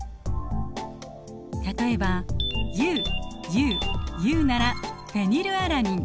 例えばＵＵＵならフェニルアラニン。